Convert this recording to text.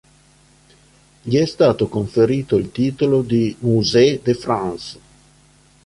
Gli è stato conferito il titolo di "musée de France".